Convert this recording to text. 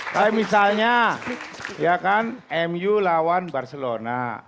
kayak misalnya ya kan mu lawan barcelona